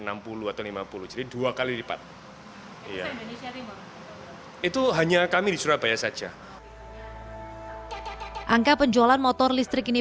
enam puluh atau lima puluh jadi dua kali lipat itu hanya kami di surabaya saja angka penjualan motor listrik ini